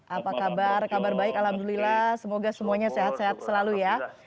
apa kabar kabar baik alhamdulillah semoga semuanya sehat sehat selalu ya